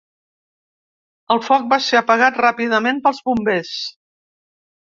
El foc va ser apagat ràpidament pels bombers.